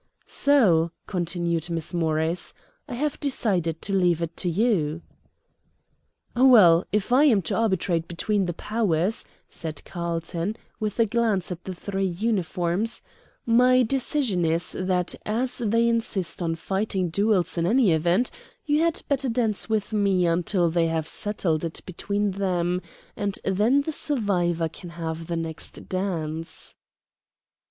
"So," continued Miss Morris, "I have decided to leave it to you." "Well, if I am to arbitrate between the powers," said Carlton, with a glance at the three uniforms, "my decision is that as they insist on fighting duels in any event, you had better dance with me until they have settled it between them, and then the survivor can have the next dance."